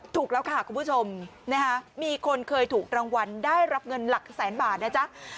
ถูกแล้วค่ะคุณผู้ชมมีคนเคยถูกรางวัลได้รับเงินหลักแสนบาทนะจ๊ะ